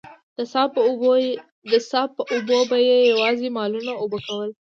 د څاه په اوبو به يې يواځې مالونه اوبه کول.